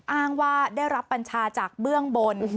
อ้างว่าได้รับปัญชาจากเบื้องบน